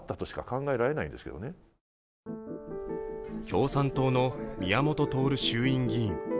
共産党の宮本徹衆院議員。